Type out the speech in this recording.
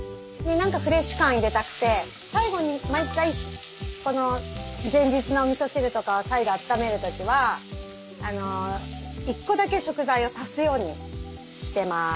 何かフレッシュ感を入れたくて最後に毎回この前日のおみそ汁とかを再度温める時は１個だけ食材を足すようにしてます。